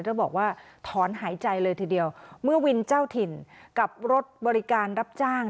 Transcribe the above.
เธอบอกว่าถอนหายใจเลยทีเดียวเมื่อวินเจ้าถิ่นกับรถบริการรับจ้าง